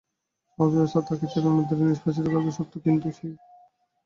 সমাজব্যবস্থা তাঁকে চিরদারিদ্র্যে নিষ্পেষিত করবে সত্য, কিন্তু সেই সঙ্গে তাঁকে সম্মান দেবে প্রচুর।